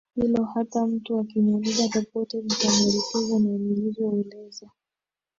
hilo hata mtu akiniuliza popote nitamweleza na nilivyoeleza